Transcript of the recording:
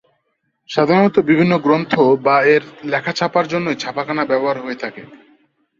সাধারণত বিভিন্ন গ্রন্থ বা এর লেখা ছাপার জন্যই ছাপাখানা ব্যবহার হয়ে থাকে।